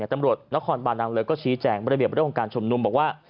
ตำรวจนครบาลังเลิก็ชี้แจ่งบริเวณบริเวณของการชมนุมบอกว่า